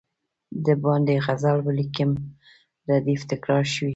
د باندي غزل ولیکم ردیف تکرار شوی.